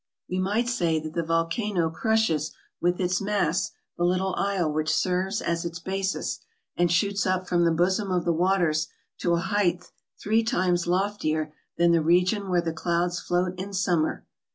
We might say that the vol cano crushes with its mass the little isle which serves as its basis, and shoots up from the bosom of the waters to a height three times loftier than the region where the clouds float in summer.